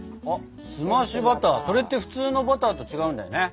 澄ましバターそれって普通のバターと違うんだよね。